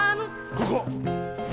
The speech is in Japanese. ここ。